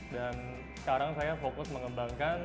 dan sekarang saya fokus mengembangkan